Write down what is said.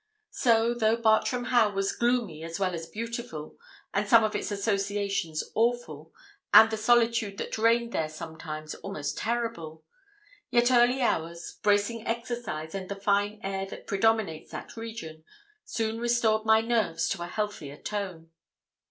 So, though Bartram Haugh was gloomy as well as beautiful, and some of its associations awful, and the solitude that reigned there sometimes almost terrible, yet early hours, bracing exercise, and the fine air that predominates that region, soon restored my nerves to a healthier tone.